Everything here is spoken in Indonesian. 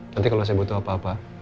nanti kalau saya butuh apa apa